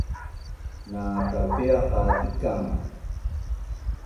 Na talpia qa zikang?